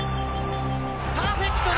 パーフェクトだ。